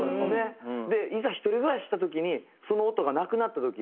でいざ一人暮らしした時にその音がなくなった時に。